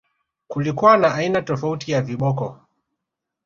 Kulikuwa na aina tofauti ya viboko